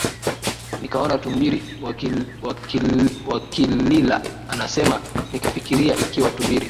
nikaona tumbiri wakilila anasema Nikafikiria ikiwa tumbiri